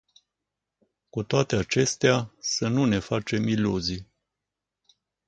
Cu toate acestea, să nu ne facem iluzii.